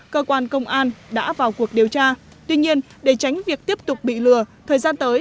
cơ quan công an đã vào cuộc điều tra tuy nhiên để tránh việc tiếp tục bị lừa thời gian tới